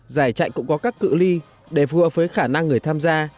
giải chạy cũng có các cự li để phù hợp với khả năng người tham gia